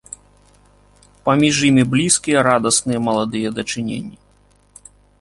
Паміж імі блізкія, радасныя, маладыя дачыненні.